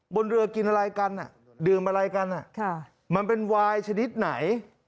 บนเรือกินอะไรกันดื่มอะไรกันมันเป็นวายชนิดไหน